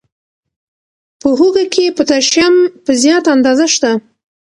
په هوږه کې پوتاشیم په زیاته اندازه شته.